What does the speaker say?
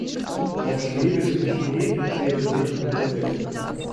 Auf schwedischem Schnee erzielte Loeb nur den Sechsten Platz.